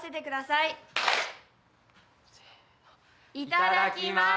いただきます！